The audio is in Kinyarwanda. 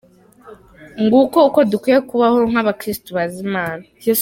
Nguko uko dukwiye kubaho nk’abakiristo bazi Imana.